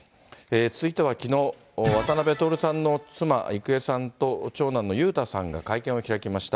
続いてはきのう、渡辺徹さんの妻、郁恵さんと長男の裕太さんが会見を開きました。